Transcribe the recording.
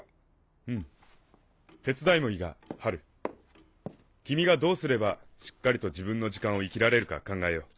フム手伝いもいいがハル君がどうすればしっかりと自分の時間を生きられるか考えよう。